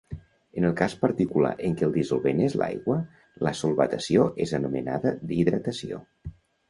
En el cas particular en què el dissolvent és l'aigua, la solvatació és anomenada hidratació.